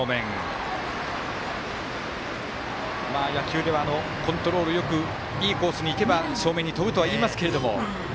野球ではコントロールよくいいコースにいけば正面に飛ぶとはいいますけども。